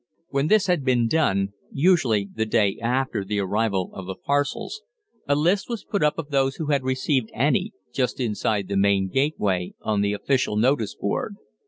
When this had been done, usually the day after the arrival of the parcels, a list was put up of those who had received any, just inside the main gateway, on the official notice board.